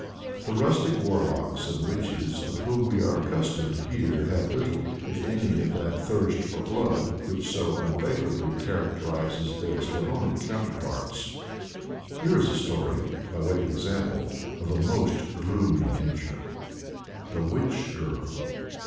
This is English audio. The rustic warlocks and witches of whom we are accustomed to hear have little, if any, of that thirst for blood which so unfavorably characterizes their Slavonic counterparts. Here is a story, by way of example, of a most gloomy nature. THE WITCH GIRL.